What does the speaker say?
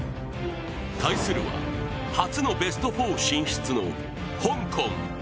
対するは初のベスト４進出の香港。